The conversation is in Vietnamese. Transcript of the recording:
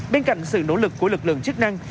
bên cạnh sự nỗ lực của lực lượng chức năng